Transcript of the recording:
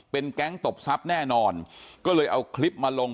แก๊งตบทรัพย์แน่นอนก็เลยเอาคลิปมาลง